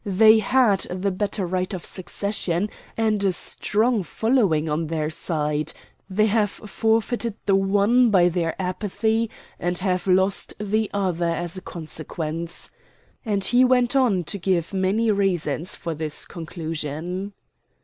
They had the better right of succession and a strong following on their side; they have forfeited the one by their apathy and have lost the other as a consequence;" and he went on to give many reasons for this conclusion.